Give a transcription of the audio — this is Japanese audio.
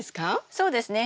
そうですね。